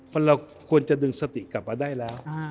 เพราะเราควรจะดึงสติกลับมาได้แล้ว